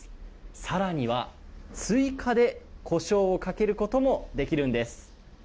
更には追加でコショウをかけることもできるんです。